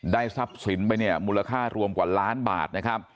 ทรัพย์สินไปเนี่ยมูลค่ารวมกว่าล้านบาทนะครับ